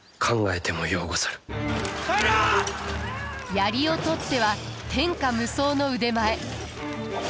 槍をとっては天下無双の腕前。